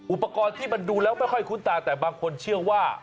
อุปกรณ์ที่มันดูแล้วไม่ค่อยคุ้นตาแต่บางคนเชื่อว่า